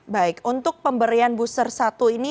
baik untuk pemberian booster satu ini